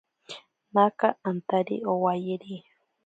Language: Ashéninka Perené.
Naaka antari owayeri.